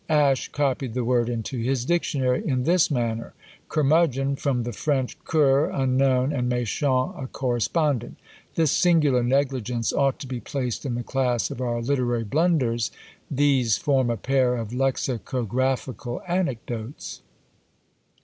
Ash copied the word into his dictionary in this manner: "Curmudgeon: from the French coeur unknown; and méchant, a correspondent." This singular negligence ought to be placed in the class of our literary blunders; these form a pair of lexicographical anecdotes.